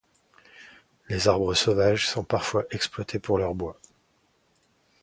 Les arbres sauvages sont parfois exploités pour leur bois.